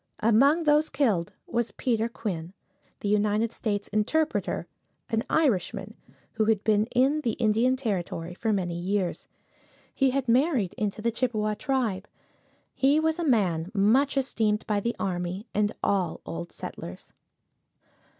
Among those killed was Peter Quinn, the United States interpreter, an Irishman, who had been in the Indian territory for many years. He had married into the Chippewa tribe. He was a man much esteemed by the army and all old settlers.